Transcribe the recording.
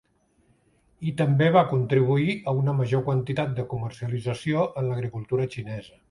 I també va contribuir a una major quantitat de comercialització en l'agricultura xinesa.